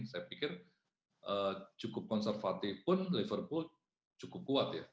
saya pikir cukup konservatif pun liverpool cukup kuat ya